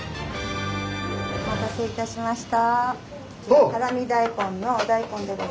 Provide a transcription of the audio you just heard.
お待たせいたしました。